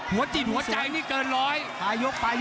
หัวจิตหัวใจที่เกินร้อย